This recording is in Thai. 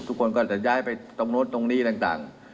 ทุกคนก็จะย้ายไปตรงนู้นตรงนี้ต่าง